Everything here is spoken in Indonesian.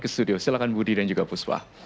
ke studio silahkan budi dan juga puswa